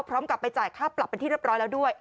พร้อมกับไปจ่ายค่าปรับเป็นที่เรียบร้อยแล้วด้วย